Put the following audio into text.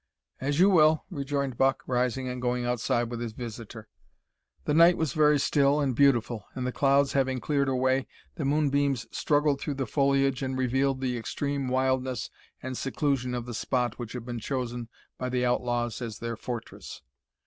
"As you will," rejoined Buck, rising and going outside with his visitor. The night was very still and beautiful, and, the clouds having cleared away, the moonbeams struggled through the foliage and revealed the extreme wildness and seclusion of the spot which had been chosen by the outlaws as their fortress.